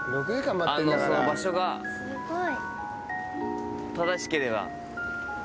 あのその場所が正しければ。